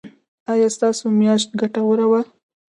ایا ستاسو میاشت ګټوره وه؟